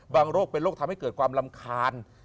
โรคเป็นโรคทำให้เกิดความรำคาญ